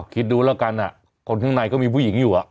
คิดดูแล้วกันคนข้างในก็มีผู้หญิงอยู่